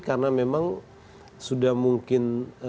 karena memang sudah mungkin